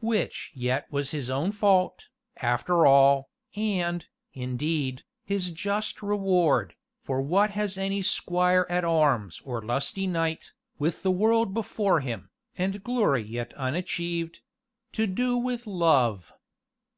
Which yet was his own fault, after all, and, indeed, his just reward, for what has any squire at arms or lusty knight, with the world before him, and glory yet unachieved to do with love?